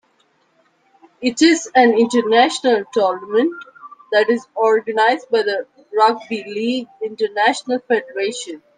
It is an international tournament that is organized by the Rugby League International Federation.